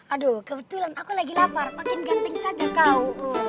aduh kebetulan aku lagi lapar makin genting saja kau